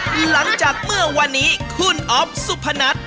หลังจากเมื่อวันนี้คุณอ๊อฟสุพนัท